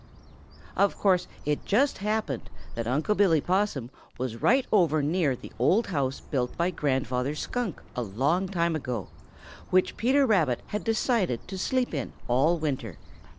Of course it just happened that Unc' Billy Possum was right over near the old house built by Grandfather Skunk a long time ago, which Peter Rabbit had decided to sleep in all winter.